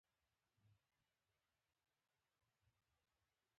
ښکاري غلی قدمونه اخلي.